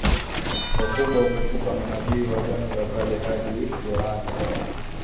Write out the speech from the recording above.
wakubwa hukumbuka manabii wa Agano la Kale hadi Yohane